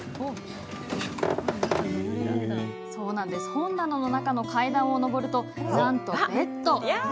本棚の中の階段を上るとなんと、ベッド。